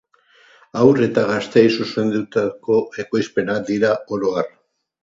Haur eta gazteei zuzendutako ekoizpenak dira oro har.